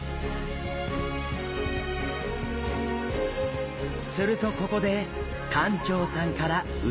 するとここで館長さんからうれしい提案が。